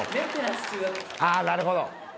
あぁなるほど！